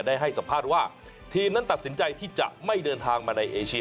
ให้สัมภาษณ์ว่าทีมนั้นตัดสินใจที่จะไม่เดินทางมาในเอเชีย